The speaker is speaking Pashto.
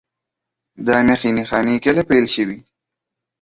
دا نښې نښانې کله پیل شوي؟